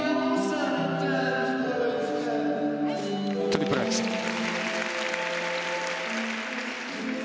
トリプルアクセル。